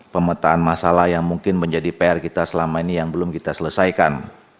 pemetaan masalah yang mungkin menjadi pr kita selama ini yang belum kita selesaikan